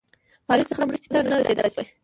پاریس څخه مرستي ته نه رسېدلای سوای.